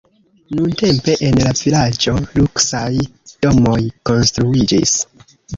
Nuntempe en la vilaĝo luksaj domoj konstruiĝis.